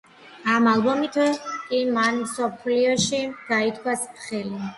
ამ ალბომით კი მან მთელ მსოფლიოში გაითქვა სახელი.